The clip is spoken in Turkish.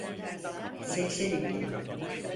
Seksen iki.